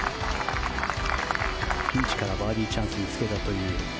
ピンチからバーディーチャンスにつけたという。